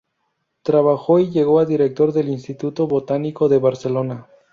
Trabajó y llegó a director del "Instituto Botánico de Barcelona".